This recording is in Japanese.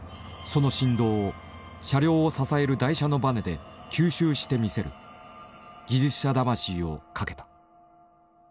その振動を車両を支える台車のバネで吸収してみせる！技術者魂をかけた。